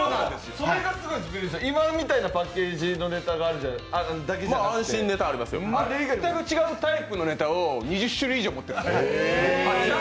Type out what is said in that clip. それがすごいんですよ、今みたいなパッケージのネタだけじゃなくて全く違うタイプのネタを２０種類ぐらい持ってるんです。